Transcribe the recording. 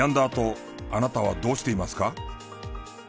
あとあなたはどうしていますか？